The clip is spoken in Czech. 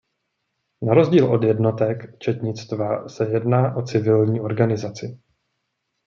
Na rozdíl od jednotek četnictva se jedná o civilní organizaci.